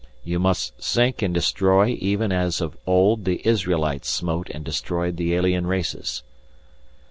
"You must sink and destroy even as of old the Israelites smote and destroyed the alien races.